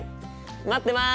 待ってます！